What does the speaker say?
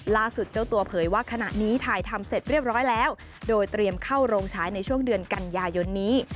เจ้าตัวเผยว่าขณะนี้ถ่ายทำเสร็จเรียบร้อยแล้วโดยเตรียมเข้าโรงฉายในช่วงเดือนกันยายนนี้